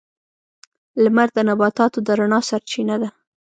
• لمر د نباتاتو د رڼا سرچینه ده.